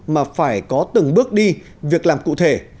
mà phải có từng bước đi việc làm cụ thể